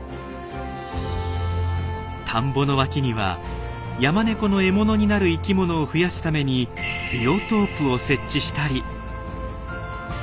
田んぼの脇にはヤマネコの獲物になる生きものを増やすためにビオトープを設置したり。